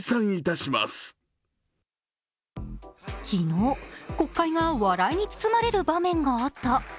昨日、国会が笑いに包まれる場面があった。